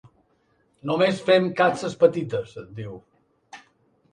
Només fem capses petites, diu.